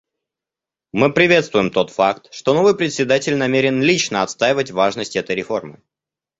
Мы приветствуем тот факт, что новый Председатель намерен лично отстаивать важность этой реформы.